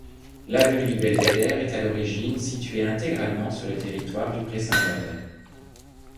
L'avenue du Belvédère est à l'origine située intégralement sur le territoire du Pré-Saint-Gervais.